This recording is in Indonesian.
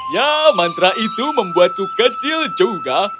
ya mantra itu membuatku kecil juga